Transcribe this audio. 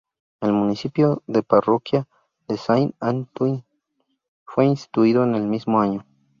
El municipio de parroquia de Saint-Antonin fue instituido en el mismo año.